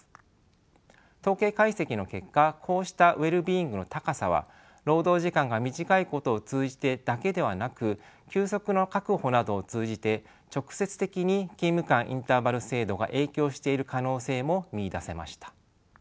統計解析の結果こうしたウェルビーイングの高さは労働時間が短いことを通じてだけではなく休息の確保などを通じて直接的に勤務間インターバル制度が影響している可能性も見いだせました。